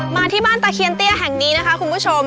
มาที่บ้านตะเคียนเตี้ยแห่งนี้นะคะคุณผู้ชม